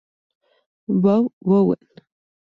Bob Bowen.